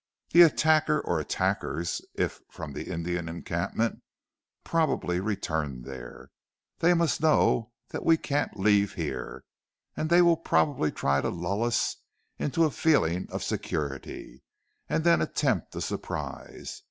The attacker or attackers, if from the Indian encampment, probably returned there. They must know that we can't leave here, and they will probably try to lull us into a feeling of security, and then attempt a surprise.